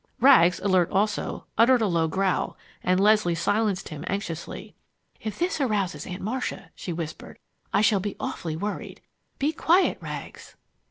Rags, alert also, uttered a low growl, and Leslie silenced him anxiously. "If this arouses Aunt Marcia," she whispered, "I shall be awfully worried. Be quiet, Rags!"